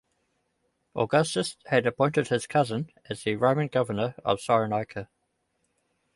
Augustus had appointed his cousin as the Roman governor of Cyrenaica.